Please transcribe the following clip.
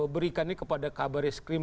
berikan ini kepada kabaris krim